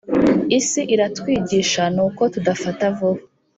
Isi iratwigisha nuko tudafata vuba